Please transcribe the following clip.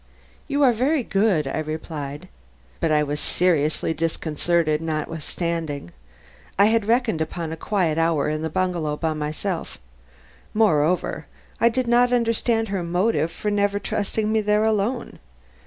"You are very good," I replied. But I was seriously disconcerted notwithstanding. I had reckoned, upon a quiet hour in the bungalow by myself; moreover, I did not understand her motive for never trusting me there alone.